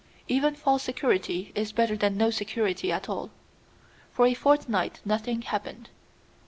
Even false security is better than no security at all. For a fortnight nothing happened.